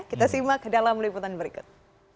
kita simak dalam liputan berikut